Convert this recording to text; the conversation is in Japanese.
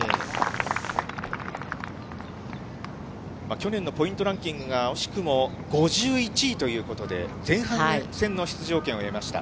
去年のポイントランキングが惜しくも５１位ということで、前半戦の出場権を得ました。